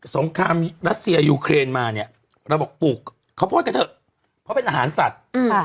งครามรัสเซียยูเครนมาเนี่ยเราบอกปลูกข้าวโพดกันเถอะเพราะเป็นอาหารสัตว์